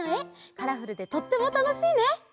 カラフルでとってもたのしいね！